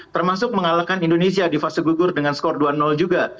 termasuk mengalahkan indonesia di fase gugur dengan skor dua juga